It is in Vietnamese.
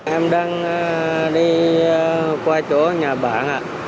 em đang đi qua chỗ nhà bạn